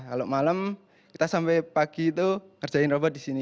kalau malam kita sampai pagi itu ngerjain robot disini